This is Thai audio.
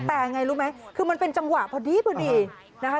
แต่ยังไงรู้ไหมคือมันเป็นจังหวะพอดีพอดีนะคะ